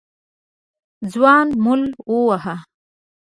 ځوان مول وواهه.